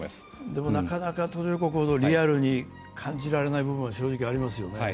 でも、なかなか途上国ほどリアルに感じられない部分は正直ありますよね。